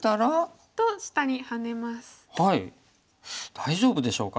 大丈夫でしょうか？